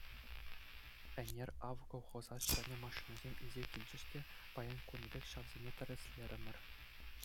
Ӗнер, ав, колхоза ҫӗнӗ машинӑсем илсе килчӗҫ те, паян кунӗпех ҫавсене тӗрӗслерӗмӗр.